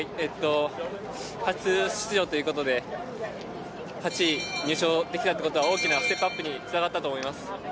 初出場ということで８位入賞できたということは大きなステップアップにつながったと思います。